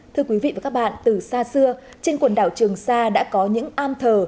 thưa quý vị và các bạn từ xa xưa trên quần đảo trường sa đã có những am thờ